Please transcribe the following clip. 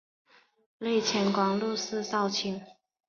累迁光禄寺少卿。